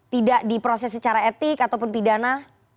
tidak diproses secara etik ataupun pidana